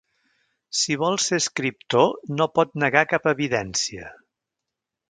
Si vol ser escriptor no pot negar cap evidència.